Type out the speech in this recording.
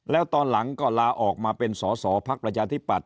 แล้วตอนหลังก็ลาออกมาเป็นสอสอพักประชาธิปัตย